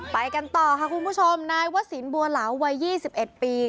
ไปกันต่อค่ะคุณผู้ชมนายวศิลป์บัวเหลาวัยยี่สิบเอ็ดปี